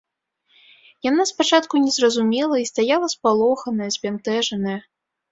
Яна спачатку не зразумела і стаяла, спалоханая, збянтэжаная.